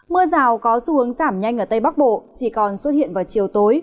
mưa rào có xu hướng giảm nhanh ở tây bắc bộ chỉ còn xuất hiện vào chiều tối